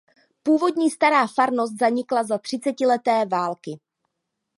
Původní stará farnost zanikla za třicetileté války.